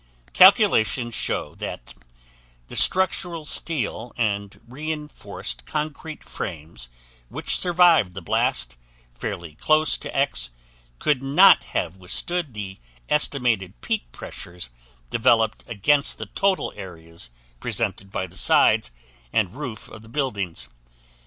Calculations show that the structural steel and reinforced concrete frames which survived the blast fairly close to X could not have withstood the estimated peak pressures developed against the total areas presented by the sides and roof of the buildings.